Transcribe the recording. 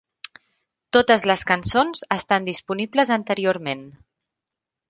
Totes les cançons estan disponibles anteriorment.